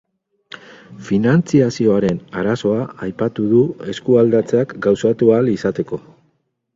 Finantziazioaren arazoa aipatu du eskualdatzeak gauzatu ahal izateko.